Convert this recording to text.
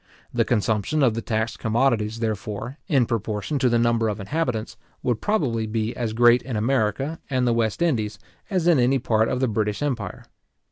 The consumption of the taxed commodities, therefore, in proportion to the number of inhabitants, would probably be as great in America and the West Indies as in any part of the British empire.